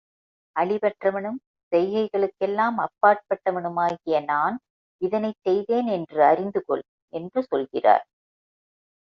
அழிவற்றவனும் செய்கைகளுக்கெல்லாம் அப்பாற்பட்டவனுமாகிய நான் இதனைச் செய்தேன் என்று அறிந்து கொள் என்று சொல்கிறார்.